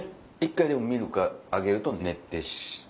１回でもミルクあげると寝て？